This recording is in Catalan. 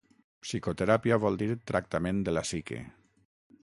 Psicoteràpia vol dir tractament de la psique.